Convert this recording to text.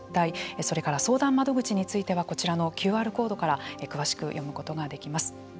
それから相談窓口についてはこちらのＱＲコードから詳しく読むことができます。